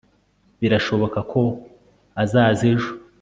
Birashoboka ko azaza ejo